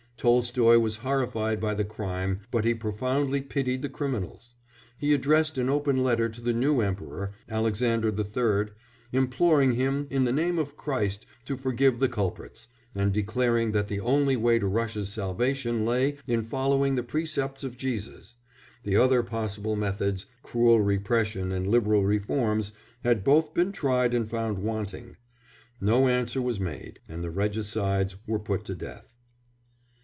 Tolstoy was horrified by the crime but he profoundly pitied the criminals; he addressed an open letter to the new emperor, Alexander III, imploring him in the name of Christ to forgive the culprits, and declaring that the only way to Russia's salvation lay in following the precepts of Jesus; the other possible methods cruel repression and liberal reforms had both been tried and found wanting. No answer was made, and the regicides were put to death.